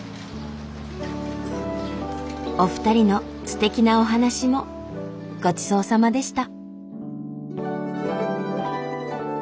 お二人のすてきなお話もごちそうさまでした。